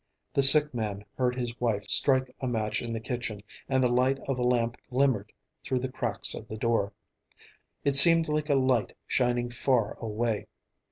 The sick man heard his wife strike a match in the kitchen, and the light of a lamp glimmered through the cracks of the door. It seemed like a light shining far away.